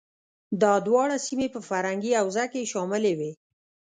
دا دواړه سیمې په فرهنګي حوزه کې شاملې وې.